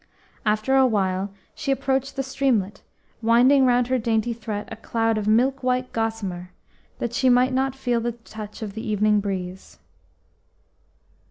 After a while she approached the streamlet, winding round her dainty throat a cloud of milk white gossamer, that she might not feel the touch of the evening breeze.